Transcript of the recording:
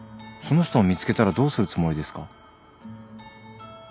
その人を見つけたらどうするつもりですか？